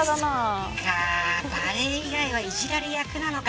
バレー以外はいじられ役なのか。